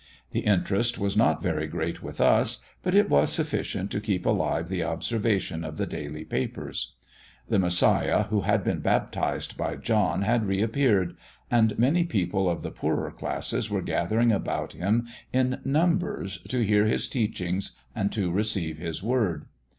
The interest was not very great with us, but it was sufficient to keep alive the observation of the daily papers. The Messiah who had been baptized by John had reappeared, and many people of the poorer classes were gathering about Him in numbers to hear His teachings and to receive His word.